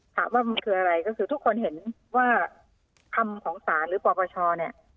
ถามว่ามันคืออะไรก็คือทุกคนเห็นว่าคำของศาลหรือปปชเนี่ย